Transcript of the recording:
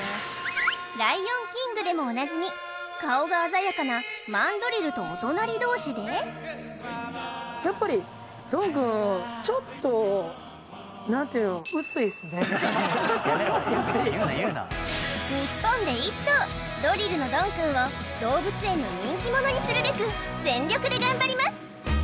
「ライオン・キング」でもおなじみ顔が鮮やかなマンドリルとお隣同士でやっぱり何ていうの日本で１頭ドリルのドンくんを動物園の人気者にするべく全力で頑張ります